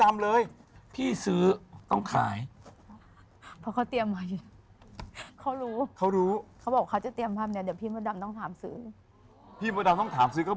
มี๕เสียง